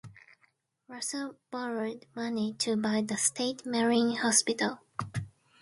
Russell borrowed money to buy the state Marine Hospital.